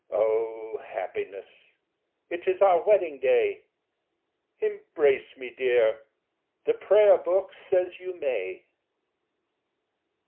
O happiness! It is our wedding day! Embrace me, dear: the Prayer Book says you may.